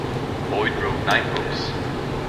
Boyd wrote nine books.